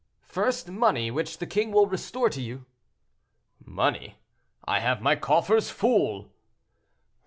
"First, money, which the king will restore to you." "Money! I have my coffers full."